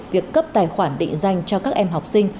việc cấp tài khoản định danh cho các em học sinh